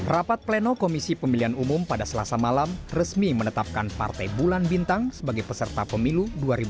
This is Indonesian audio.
rapat pleno komisi pemilihan umum pada selasa malam resmi menetapkan partai bulan bintang sebagai peserta pemilu dua ribu dua puluh